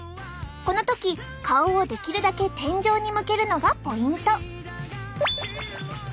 この時顔をできるだけ天井に向けるのがポイント。